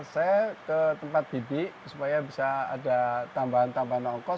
saya ke tempat bidik supaya bisa ada tambahan tambahan ongkos